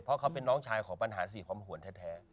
เพราะเขาเป็นน้องชายของปัญหาสี่ความหวนแท้